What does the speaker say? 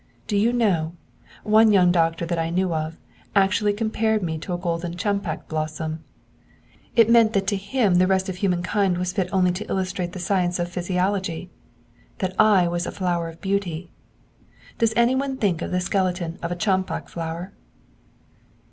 Do you know, one young doctor that I knew of, actually compared me to a golden champak blossom. It meant that to him the rest of humankind was fit only to illustrate the science of physiology, that I was a flower of beauty. Does any one think of the skeleton of a champak flower?